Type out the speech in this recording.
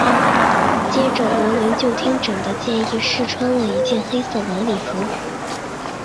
接着萝伦就听珍的建议试穿了一件黑色礼服。